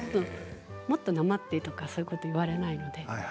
もっと、なまってとかそういうこと言われないので。